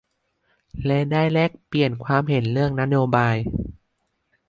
และได้แลกเปลี่ยนความเห็นเรื่องนโยบาย